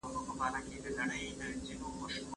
دا ماشین تر هغه پخواني ډېر چټک دی.